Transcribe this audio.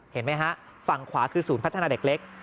เห็นไหมฮะฝั่งขวาคือศูนย์พัฒนาเด็กเล็ก